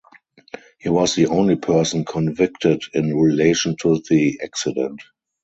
He was the only person convicted in relation to the accident.